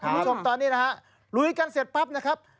คุณผู้ชมตอนนี้นะฮะลุยกันเสร็จปั๊บนะครับ